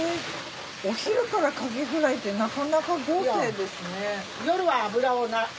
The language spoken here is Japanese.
お昼からカキフライってなかなか豪勢ですね。